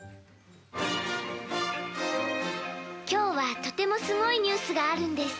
「今日は、とてもすごいニュースがあるんです。